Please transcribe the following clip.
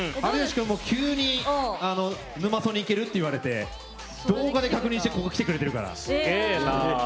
君も急に「ヌマソニ」行ける？って言われて動画で確認して来てくれてるから。